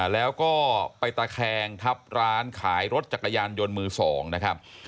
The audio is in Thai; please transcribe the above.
แล้วก็ไปตะแคงทับร้านขายรถจักรยานยนต์มือ๒นะครับ